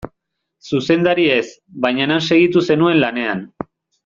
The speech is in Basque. Zuzendari ez, baina han segitu zenuen lanean.